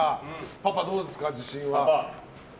パパどうですか、自信は。